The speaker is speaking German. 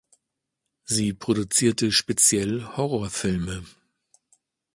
Sie produzierte speziell Horrorfilme.